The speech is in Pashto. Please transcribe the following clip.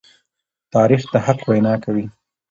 تاریخ د حق وینا کوي.